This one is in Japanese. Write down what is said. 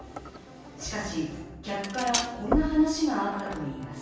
しかし客からこんな話があったといいます。